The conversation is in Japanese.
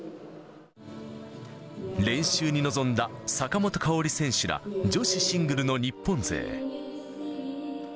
練習に臨んだ坂本花織選手ら女子シングルの日本勢。